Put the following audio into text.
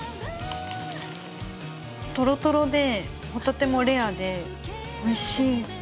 とろとろでホタテもレアでおいしい。